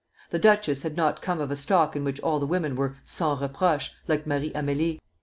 The duchess had not come of a stock in which all the women were sans reproche, like Marie Amélie.